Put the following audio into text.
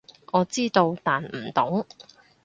我知道，但唔懂